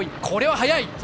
これは速い！